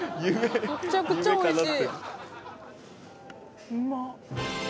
めちゃくちゃおいしい。